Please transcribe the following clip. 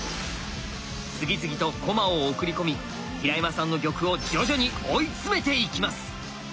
次々と駒を送り込み平山さんの玉を徐々に追い詰めていきます。